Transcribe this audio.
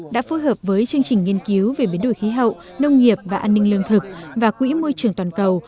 đã phối hợp với chương trình nghiên cứu về biến đổi khí hậu nông nghiệp và an ninh lương thực và quỹ môi trường toàn cầu